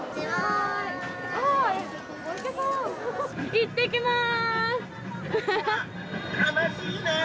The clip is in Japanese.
いってきます！